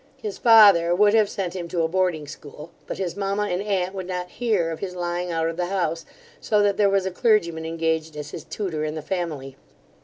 His father would have sent him to a boarding school, but his mamma and aunt would not hear of his lying out of the house; so that there was a clergyman engaged as his tutor in the family.